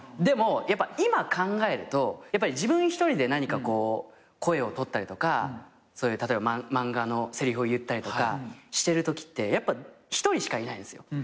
でもやっぱ今考えると自分一人で何かこう声をとったりとか例えば漫画のせりふを言ったりとかしてるときってやっぱ一人しかいないんですよ。